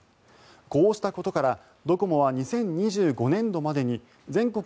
こうしたことからドコモは２０２５年度までに全国